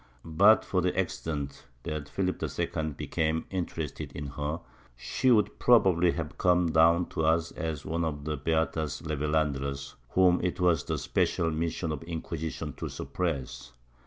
But for the accident that Philip II became interested in her, she would prob ably have come down to us as one of the heatas revelanderas whom it was the special mission of the Inquisition to suppress.